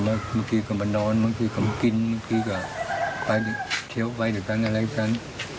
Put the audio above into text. เมื่อกี้ก็มานอนเมื่อกี้ก็มากินเมื่อกี้ก็ไปเทียบไว้ด้วยกันอะไรด้วยกัน